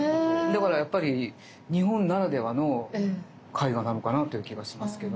だからやっぱり日本ならではの絵画なのかなっていう気がしますけど。